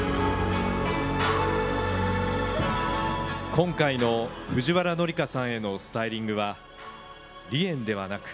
今回の藤原紀香さんへのスタイリングは梨園ではなく